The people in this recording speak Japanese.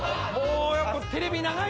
やっぱテレビ長いね。